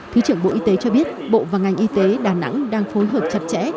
thứ trưởng bộ y tế cho biết bộ và ngành y tế đà nẵng đang phối hợp chặt chẽ